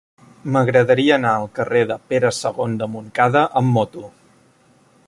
M'agradaria anar al carrer de Pere II de Montcada amb moto.